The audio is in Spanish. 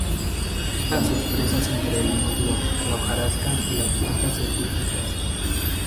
Busca a sus presas entre el musgo, la hojarasca y las plantas epifitas.